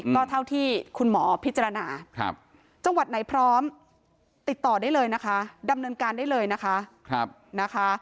ก็เท่าที่คุณหมอพิจารณาจังหวัดไหนพร้อมติดต่อได้เลยนะคะ